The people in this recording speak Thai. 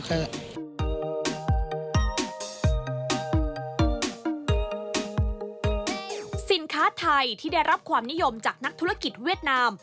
สินค้าไทยที่ได้รับความนิยมจากนักธุรกิจเวียดนาม